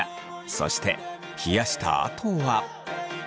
そして冷やしたあとは。